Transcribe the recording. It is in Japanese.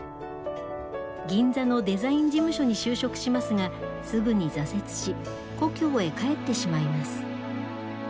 銀座のデザイン事務所に就職しますがすぐに挫折し故郷へ帰ってしまいます。